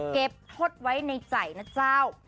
เก็บทศไว้ในใจนะเจ้า